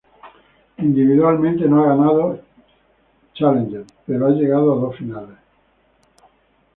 Individualmente no ha ganado Challenger, pero ha llegado a dos finales.